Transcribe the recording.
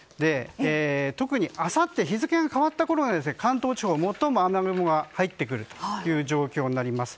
特にあさって日付が変わったころが関東地方最も雨雲が入ってくる状況になります。